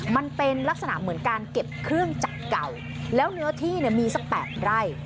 มันเป็นลักษณะเหมือนการเก็บเครื่องจักรเก่าแล้วเนื้อที่เนี่ยมีสัก๘ไร่